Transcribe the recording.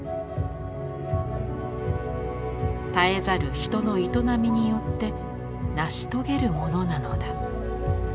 絶えざる人の営みによって成し遂げるものなのだ。